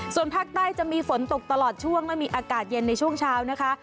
ส่วนภาคใต้จะมีฝนตกตลอดช่วงและมีอากาศเย็นในช่วงเช้านะคะ